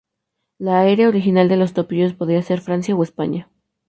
El área original de los topillos podría ser Francia o España.